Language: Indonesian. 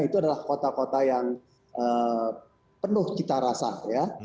itu adalah kota kota yang penuh cita rasa ya